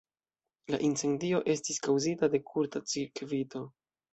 La incendio estis kaŭzita de kurta cirkvito.